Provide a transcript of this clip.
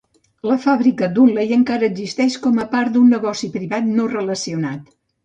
La fàbrica Dudley encara existeix com a part d'un negoci privat no relacionat.